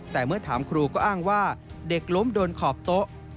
แต่เมื่อถามครูก็อ้างว่าเด็กล้มโดนขอบโต๊ะ